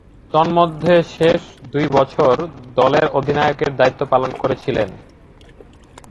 তন্মধ্যে, শেষ দুই বছর দলের অধিনায়কের দায়িত্ব পালন করেছিলেন।